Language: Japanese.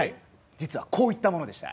実はこういったものでした。